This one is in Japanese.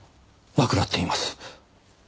なくなっています。